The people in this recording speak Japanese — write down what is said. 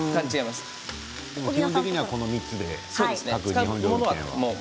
基本的にはこの３つで。